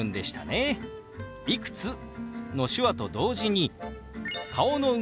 「いくつ？」の手話と同時に顔の動き